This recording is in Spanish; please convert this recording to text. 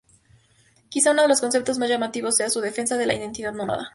Quizá uno de los conceptos más llamativos sea su defensa de la ""identidad nómada"".